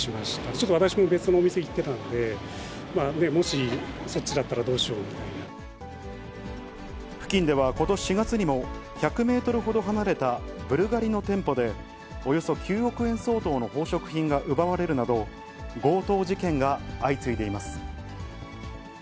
ちょっと私も別の店に行ってたので、もしそっちだったらどうしよ付近ではことし４月にも、１００メートルほど離れたブルガリの店舗で、およそ９億円相当の宝飾品が奪われるなど、強盗事件が相次いでいます。